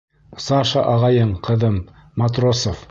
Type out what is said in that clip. — Саша ағайың, ҡыҙым, Матросов.